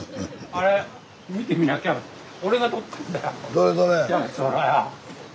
どれどれ？